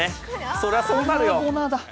そりゃこうなるよ。